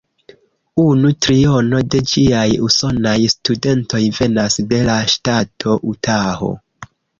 Unu triono de ĝiaj usonaj studentoj venas de la ŝtato Utaho.